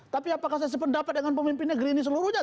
tapi apakah saya sependapat dengan pemimpin negeri ini seluruhnya